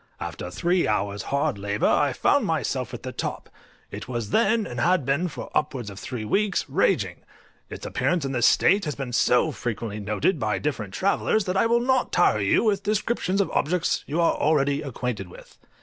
After three hours' hard labour I found myself at the top; it was then, and had been for upwards of three weeks, raging: its appearance in this state has been so frequently noticed by different travellers, that I will not tire you with descriptions of objects you are already acquainted with.